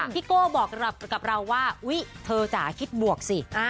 พี่โก้บอกกับเราว่าอุ๊ยเธอจ๋าคิดบวกสิ